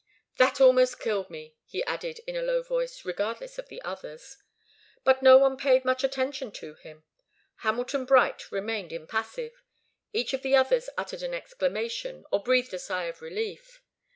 "That almost killed me," he added in a low voice, regardless of the others. But no one paid much attention to him. Hamilton Bright remained impassive. Each of the others uttered an exclamation, or breathed a sigh of relief.